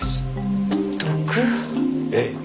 ええ。